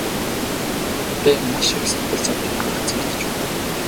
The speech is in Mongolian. Би маш их сэтгэл зовж энд ганцаардаж байна.